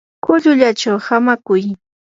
kullullachaw hamakuy.